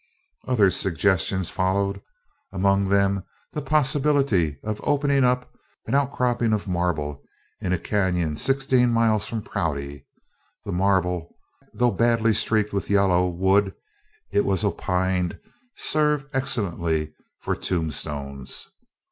Other suggestions followed among them, the possibility of opening up an outcropping of marble in a canyon sixteen miles from Prouty. The marble, though badly streaked with yellow, would, it was opined, serve excellently for tombstones.